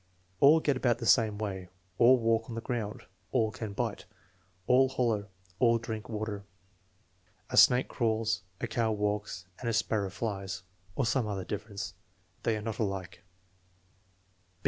"All get about the same way." "All walk on the ground." "AH can bite." "All holler." "All drink water." "A snake crawls, a cow walks, and a sparrow flies" (or some other difference). "They are not alike."